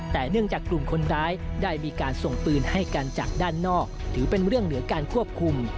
แต่เนื่องจากกลุ่มคนร้ายได้มีการส่งปืนให้กันจากด้านนอกถือเป็นเรื่องเหนือการควบคุม